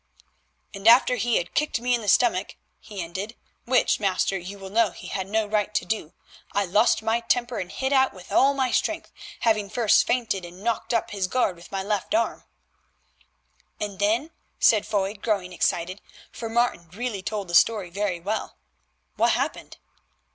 "And after he had kicked me in the stomach," he ended, "which, master, you will know he had no right to do, I lost my temper and hit out with all my strength, having first feinted and knocked up his guard with my left arm——" "And then," said Foy, growing excited, for Martin really told the story very well, "what happened?"